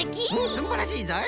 すんばらしいぞい。